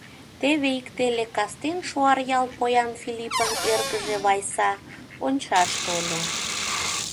Теве ик теле кастен Шуаръял поян Филиппын эргыже, Вайса, ончаш тольо.